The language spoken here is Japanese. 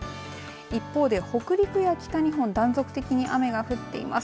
一方で北陸や北日本断続的に雨が降っています。